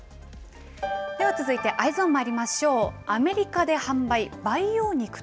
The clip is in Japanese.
では続いてＥｙｅｓｏｎにまいりましょう。